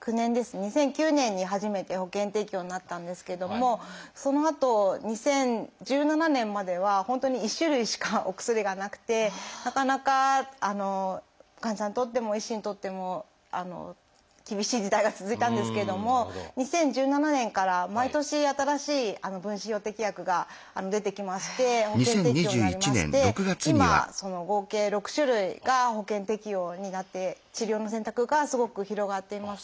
２００９年に初めて保険適用になったんですけどもそのあと２０１７年までは本当に１種類しかお薬がなくてなかなか患者さんにとっても医師にとっても厳しい時代が続いたんですけども２０１７年から毎年新しい分子標的薬が出てきまして保険適用になりまして今合計６種類が保険適用になって治療の選択がすごく広がっています。